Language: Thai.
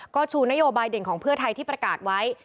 ก็ชูนโยบายเด่นของเพื่อไทยที่ประกาศไว้